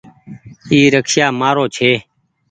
اي رڪسييآ مآرو ڇي